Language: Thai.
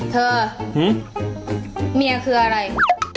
เธอเมียคืออะไร